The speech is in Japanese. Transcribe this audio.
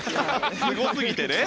すごすぎてね。